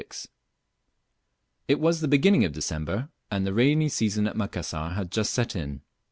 IT was the beginning of December, and the rainy season at Macassar had just set in.